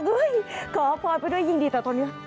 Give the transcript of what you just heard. ขอพรไปด้วยยิ่งดีแต่ตอนนี้